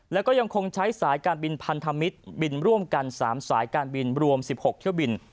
แล้วก็ยังคงใช้สายการบินพันธมิตรบินร่วมกัน๓สายการบินรวม๑๖เที่ยวบิน